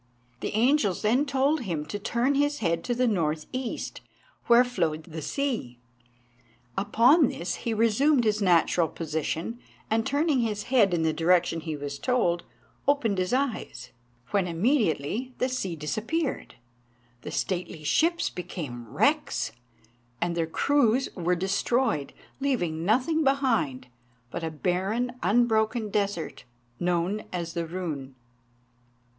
The angels then told him to turn his head to the north east, where flowed the sea. Upon this he resumed his natural position, and, turning his head in the direction he was told, opened his eyes, when immediately the sea disappeared, the stately ships became wrecks, and their crews were destroyed, leaving nothing behind but a barren, unbroken desert, known as the Runn.